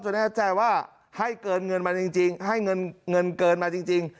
จะแน่ใจว่าให้เกินเงินมาจริง